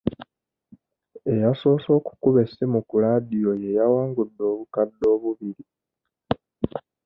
Eyasoose okukuba essimu ku laadiyo ye yawangudde obukadde obubiri..